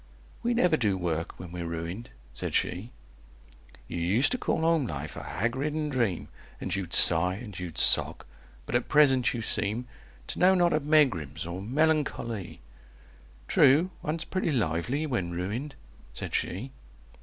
"We never do work when we're ruined," said she. "You used to call home life a hag ridden dream, And you'd sigh, and you'd sock; but at present you seem To know not of megrims or melancho ly!" "True. One's pretty lively when ruined," said she.